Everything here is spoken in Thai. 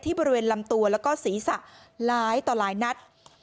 บริเวณลำตัวแล้วก็ศีรษะหลายต่อหลายนัด